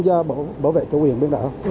do bảo vệ chủ quyền biến đổi